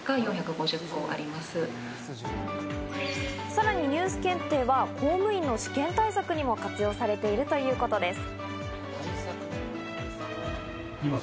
さらにニュース検定は公務員の試験対策にも活用されているということです。